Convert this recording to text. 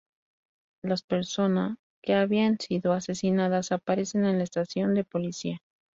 Las persona que habían sido "asesinadas" aparecen en la estación de policía.